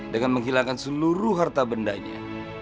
dengan menghilangkan seluruh harta bendanya